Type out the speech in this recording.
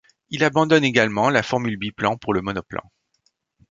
Il abandonne également la formule biplan pour le monoplan.